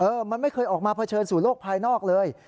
มันไม่เคยออกมาเผชิญสู่โลกภายนอกเลย